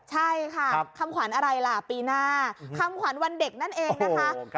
ใช่ค่ะคำขวัญอะไรล่ะปีหน้าคำขวัญวันเด็กนั่นเองนะคะ